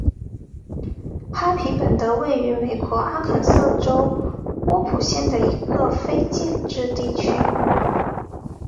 哈皮本德是位于美国阿肯色州波普县的一个非建制地区。